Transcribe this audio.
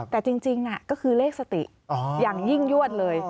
แต่จริงก็คือเลขสติอย่างยิ่งยวดเลย